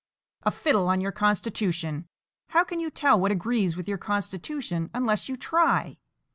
"A fiddle on your constitution! How can you tell what agrees with your constitution unless you try?